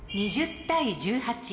２０対１８。